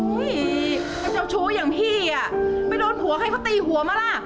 เจ้าชู้อย่างพี่อ่ะไปโดนผัวให้เขาตีหัวมาล่ะ